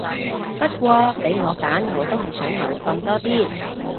不過俾我揀我都係想冇棍多啲